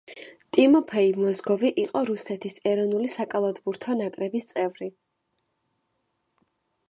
ტიმოფეი მოზგოვი იყო რუსეთის ეროვნული საკალათბურთი ნაკრების წევრი.